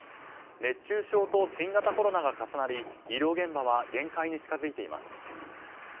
熱中症と新型コロナが重なり医療現場は限界に近づいています。